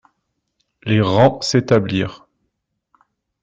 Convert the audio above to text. Les rangs s'établirent.